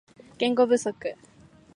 言語不足